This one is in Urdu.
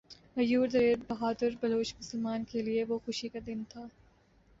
غیور دلیر بہادر بلوچ مسلمان کے لیئے وہ خوشی کا دن تھا